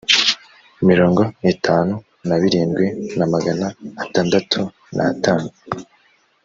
mirongo itanu na birindwi na magana atandatu natanu